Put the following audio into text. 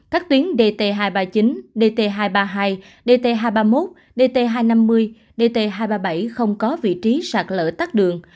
các tuyến dt hai trăm ba mươi chín dt hai trăm ba mươi hai dt hai trăm ba mươi một dt hai trăm năm mươi dt hai trăm ba mươi bảy không có vị trí sạt lở tắt đường